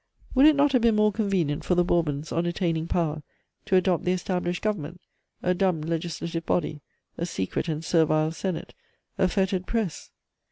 Would it not have been more convenient for the Bourbons, on attaining power, to adopt the established government, a dumb Legislative Body, a secret and servile Senate, a fettered press?